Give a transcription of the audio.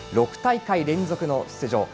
６大会連続の出場。